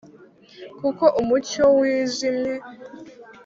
kuko umucyo wijimye.